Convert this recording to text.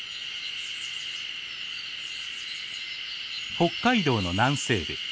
北海道の南西部。